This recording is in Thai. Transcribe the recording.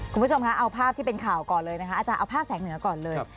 คุณผู้ชมคะเอาภาพที่เป็นข่าวก่อนเลยนะคะอาจารย์เอาภาพแสงเหนือก่อนเลย